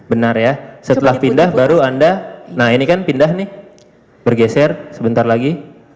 benar ya setelah pindah baru anda nah ini kan pindah nih bergeser sebentar lagi